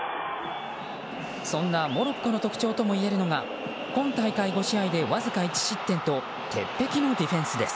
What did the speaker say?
そんなモロッコの特徴ともいえるのが今大会５試合でわずか１失点と鉄壁のディフェンスです。